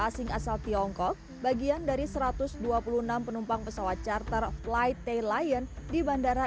asing asal tiongkok bagian dari satu ratus dua puluh enam penumpang pesawat charter flight tay lion di bandara